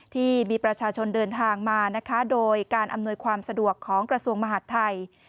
ที่มีประชาชนเดินทางมานะคะโดยการอำนวยความสะดวกของกระทรวงมหาดไทย